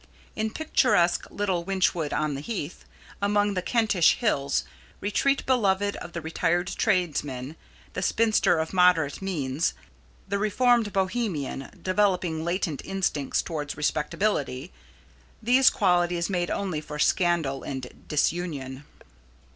In picturesque little Wychwood on the Heath, among the Kentish hills, retreat beloved of the retired tradesman, the spinster of moderate means, the reformed Bohemian developing latent instincts towards respectability, these qualities made only for scandal and disunion.